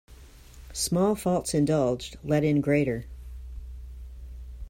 Small faults indulged let in greater.